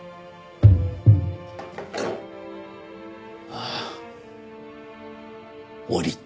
ああ下りた。